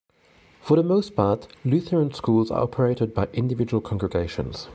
For the most part, Lutheran schools are operated by individual congregations.